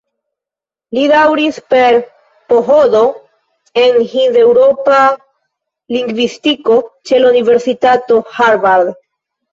Li daŭris per PhD en hind-eŭropa lingvistiko ĉe la Universitato Harvard.